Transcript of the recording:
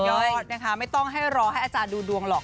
ยอดนะคะไม่ต้องให้รอให้อาจารย์ดูดวงหรอก